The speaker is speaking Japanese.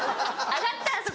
上がってあそこ？